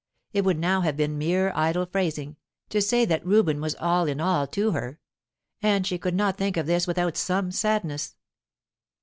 It would now have been mere idle phrasing, to say that Reuben was all in all to her. And she could not think of this without some sadness.